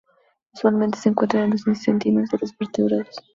Usualmente se encuentran en los intestinos de los vertebrados.